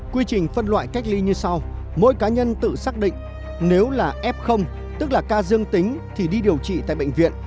quy trình phân loại cách ly như sau mỗi cá nhân tự xác định nếu là f tức là ca dương tính thì đi điều trị tại bệnh viện